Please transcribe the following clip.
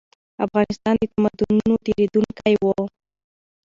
افغانستان د تمدنونو تېرېدونکی و.